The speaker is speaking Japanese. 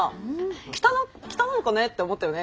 北北なのかなって思ったよね？